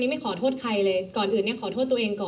เธออยากให้ชี้แจ่งความจริง